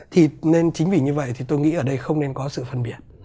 thì nên chính vì như vậy thì tôi nghĩ ở đây không nên có sự phân biệt